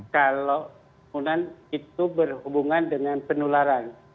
kalau kerumunan itu berhubungan dengan penularan